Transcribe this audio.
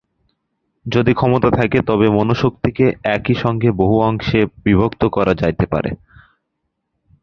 যদি ক্ষমতা থাকে, তবে মনঃশক্তিকে একই সঙ্গে বহু অংশে বিভক্ত করা যাইতে পারে।